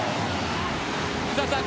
福澤さん